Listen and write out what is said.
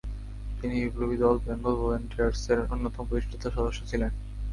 তিনি বিপ্লবী দল বেঙ্গল ভলেন্টিয়ার্সের অন্যতম প্রতিষ্ঠাতা সদস্য ছিলেন।